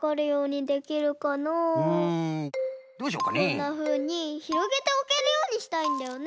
こんなふうにひろげておけるようにしたいんだよね。